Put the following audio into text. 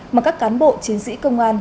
mà các cán bộ chiến sĩ công an